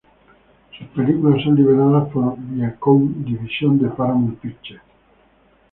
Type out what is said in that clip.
Sus películas son liberadas por Viacom división Paramount Pictures.